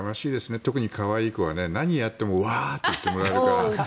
特に可愛い子は何やってもわーって言ってもらえるから。